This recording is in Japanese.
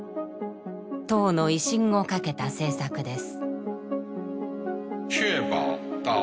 党の威信をかけた政策です。